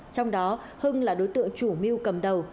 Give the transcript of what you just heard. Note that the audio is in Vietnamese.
trong đó hưng là đối tượng chủ mưu cầm đầu